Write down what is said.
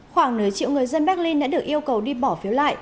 khoảng nửa triệu người dân berlin đã được yêu cầu đi bỏ phiếu lại